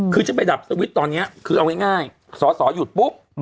คือจะไปดับสวิตช์ตอนนี้คือเอาง่ายสอสอหยุดปุ๊บ